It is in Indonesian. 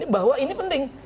bahwa ini penting